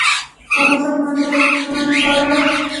د افغانستان په منظره کې ژمی ښکاره ده.